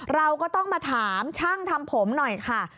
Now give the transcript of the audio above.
เราก็ต้องมาถามช่างทำผมหน่อยค่ะ